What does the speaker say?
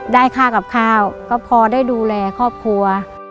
ได้ค่ากับข้าวก็พอได้ดูแลครอบครัว